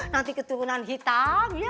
nanti keturunan hitam ya